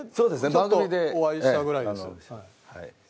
ちょっとお会いしたぐらいです。